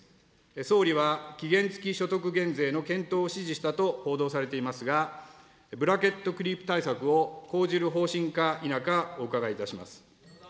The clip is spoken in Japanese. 総理は期限付き所得減税の検討を指示したと報道されていますが、ブラケットクリープ対策を講じる方針か否か、お伺いいたします。